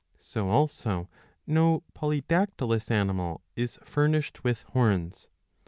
So also no polydactylous animal"^ is furnished with horns.